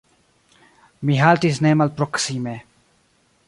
Mi haltis nemalproksime.